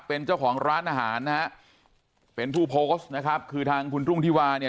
เป็นเจ้าของร้านอาหารนะฮะเป็นผู้โพสต์นะครับคือทางคุณรุ่งที่วาเนี่ย